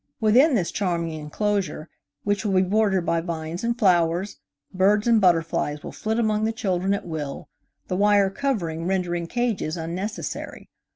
Within this charming enclosure, which will be bordered by vines and flowers, birds and butterflies will flit among the children at will, the wire covering rendering cages unnecessary.